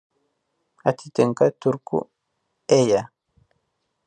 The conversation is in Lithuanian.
Atitinka tiurkų "Eje".